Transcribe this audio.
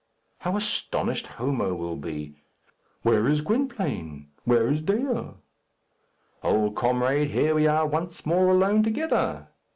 How astonished Homo will be! Where is Gwynplaine? Where is Dea? Old comrade, here we are once more alone together.